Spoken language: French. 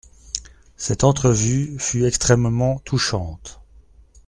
Cette entrevue fut extrêmement touchante.